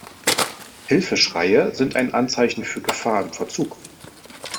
Hilfeschreie sind ein Anzeichen für Gefahr im Verzug.